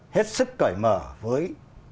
hết sức cởi mở với